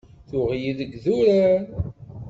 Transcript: Tuɣ-iyi deg idurar.